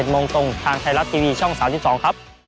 โมงตรงทางไทยรัฐทีวีช่อง๓๒ครับ